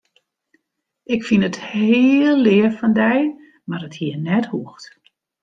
Ik fyn it hiel leaf fan dy, mar it hie net hoegd.